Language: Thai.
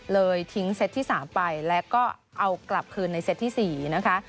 ทิ้งเซตที่๓ไปแล้วก็เอากลับคืนในเซตที่๔นะคะ